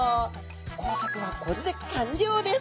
工作はこれで完了です！